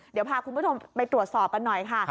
เดี๋ยวพาคุณผู้ชมไปตรวจสอบกันหน่อยค่ะ